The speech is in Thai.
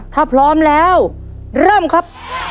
ถ้าพร้อมแล้วเริ่มครับ